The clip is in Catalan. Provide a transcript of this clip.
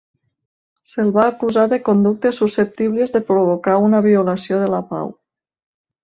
Se'l va acusar de conductes susceptibles de provocar una violació de la pau.